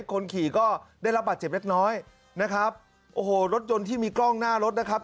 คนขี่ก็ได้รับบาดเจ็บเล็กน้อยนะครับโอ้โหรถยนต์ที่มีกล้องหน้ารถนะครับ